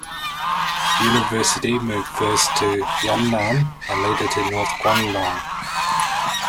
The university moved first to Yunnan, and later to North Guangdong.